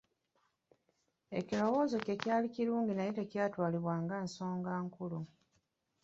Ekirowoozo kye kyali kirungi naye tekyatwalibwa nga nsonga nkulu.